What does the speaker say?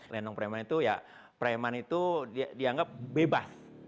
lenong preman itu ya preman itu dianggap bebas